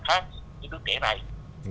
tôi rất xúc động